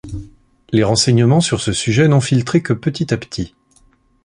Les renseignements sur ce sujet n'ont filtré que petit à petit.